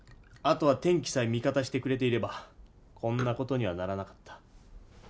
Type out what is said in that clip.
あとは天気さえ味方してくれていればこんな事にはならなかった。